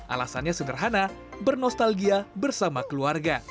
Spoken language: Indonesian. alasannya sederhana bernostalgia bersama keluarga